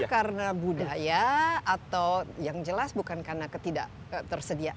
karena budaya atau yang jelas bukan karena ketidak tersedia